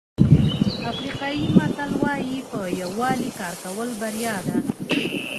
افریقایي متل وایي په یووالي کار کول بریا ده.